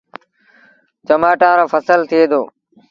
چمآٽآن رو ڦسل ٿئي دو۔